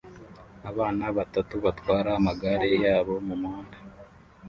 Abana batatu batwara amagare yabo mumuhanda